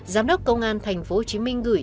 giám đốc công an tp hcm gửi